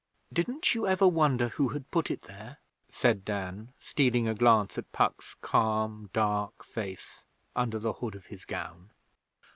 'Didn't you ever wonder who had put it there?' said Dan, stealing a glance at Puck's calm, dark face under the hood of his gown.